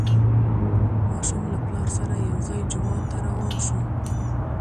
ماشوم له پلار سره یو ځای جومات ته روان شو